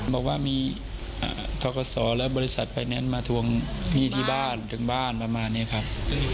บอกว่ามีทกศและบริษัทไฟแนนซ์มาทวงหนี้ที่บ้านถึงบ้านประมาณนี้ครับ